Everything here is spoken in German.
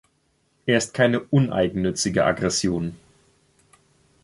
Er ist keine uneigennützige Aggression.